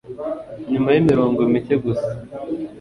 nyuma y'imirongo mike gusa